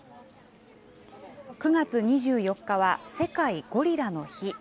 ９月２４日は世界ゴリラの日。